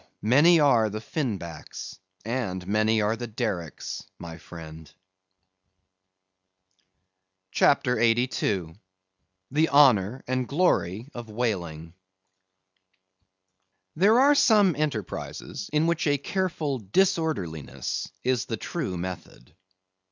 many are the Fin Backs, and many are the Dericks, my friend. CHAPTER 82. The Honor and Glory of Whaling. There are some enterprises in which a careful disorderliness is the true method.